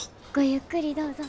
ゆっくりどうぞ。